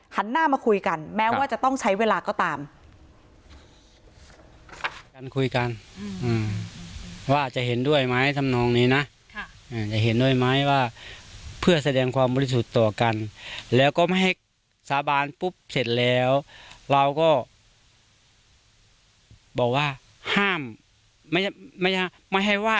หันหน้ามาคุยกันแม้ว่าจะต้องใช้เวลาก็ตาม